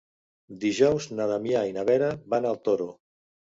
Dijous na Damià i na Vera van al Toro.